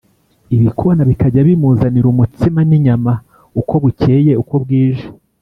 Ibikona bikajya bimuzanira umutsima n’inyama uko bukeye uko bwije